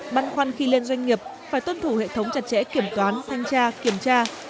băn khoăn khi lên doanh nghiệp phải tuân thủ hệ thống chặt chẽ kiểm toán thanh tra kiểm tra